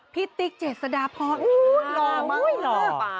พี่ติ๊กเจษฎาพรอู้วหล่อมาก